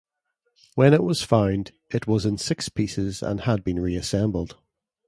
When it was found, it was in six pieces and has been reassembled.